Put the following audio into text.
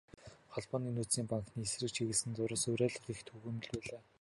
Холбооны нөөцийн банкны эсрэг чиглэсэн зурвас, уриалга их түгээмэл байлаа.